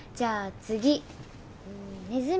次ネズミ